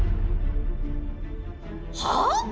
はあ⁉